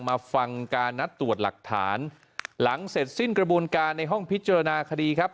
มาฟังการนัดตรวจหลักฐานหลังเสร็จสิ้นกระบวนการในห้องพิจารณาคดีครับ